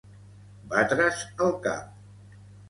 Batre's el cap.